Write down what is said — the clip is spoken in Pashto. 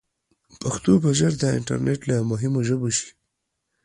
پښتو به ژر د انټرنیټ له مهمو ژبو شي.